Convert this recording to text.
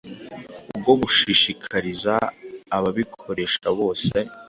bwo gushishikariza ababikoresha bose,